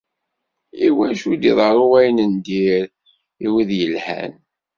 Iwacu i d-iḍerru wayen n diri i wid yelhan?